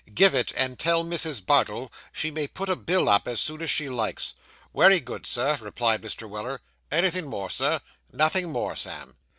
Give it, and tell Mrs. Bardell she may put a bill up, as soon as she likes.' 'Wery good, sir,' replied Mr. Weller; 'anythin' more, sir?' 'Nothing more, Sam.